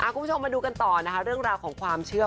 คุณผู้ชมมาดูกันต่อนะคะเรื่องราวของความเชื่อ